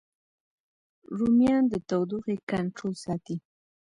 رومیان د تودوخې کنټرول ساتي